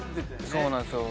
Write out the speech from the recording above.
そうなんですよ